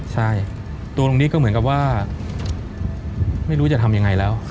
ใช่ตัวลุงนี้ก็เหมือนกับว่าไม่รู้จะทำยังไงแล้ว